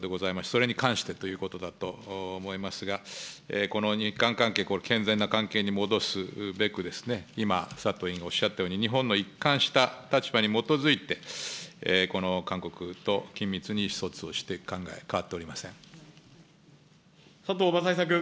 それに関してということだと思いますが、この日韓関係、これ、健全な関係に戻すべく、今、佐藤委員がおっしゃったように、日本の一貫した立場に基づいて、この韓国と緊密に意思疎通をしていく考え、佐藤正久君。